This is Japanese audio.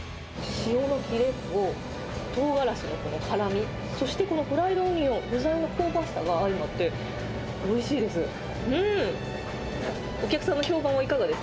塩のきれととうがらしのこの辛み、そして、このフライドオニオン、具材の香ばしさが相まって、おいしいです。